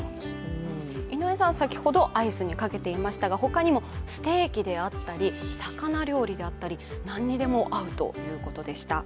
井上さんは先ほどアイスにかけていましたが、他にもステーキであったり魚料理であったり何にでも合うということでした。